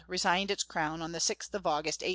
resigned its crown on the 6th of August, 1806.